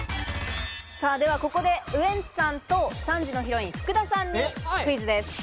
ではここでウエンツさんと３時のヒロイン・福田さんにクイズです。